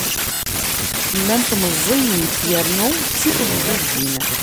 Llant meẓẓiyit yernu d timenzugin.